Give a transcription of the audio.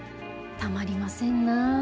たまりませんな。